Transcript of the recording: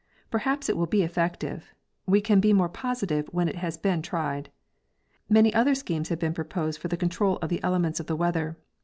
Perhaps it will be effective; we can be more positive when it has been tried. Many other schemes have been proposed for the control of the elements of the weather.